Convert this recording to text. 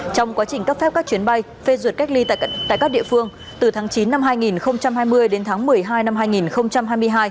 trong quá trình cấp phép các chuyến bay phê duyệt cách ly tại các địa phương từ tháng chín năm hai nghìn hai mươi đến tháng một mươi hai năm hai nghìn hai mươi hai